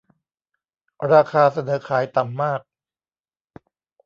ราคาเสนอขายต่ำมาก